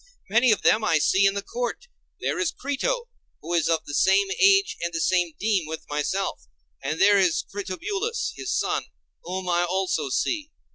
Many of them I see in the court. There is Crito, who is of the same age and of the same deme with myself; and there is Critobulus his son, whom I also see.